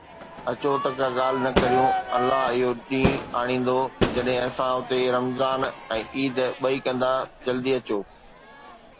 اچو ته ڪا ڳالهه نه ڪريو، الله اهو ڏينهن آڻيندو جڏهن اسان اتي رمضان ۽ عيد ٻئي ڪندا، جلدي اچو